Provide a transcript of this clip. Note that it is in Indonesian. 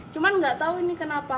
cuman gak tau ini kenapa